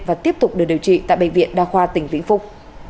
và tiếp tục được điều trị tại bệnh viện đa khoa tỉnh vĩnh phúc